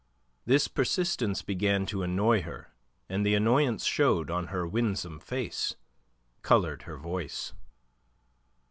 This persistence began to annoy her, and the annoyance showed on her winsome face, coloured her voice.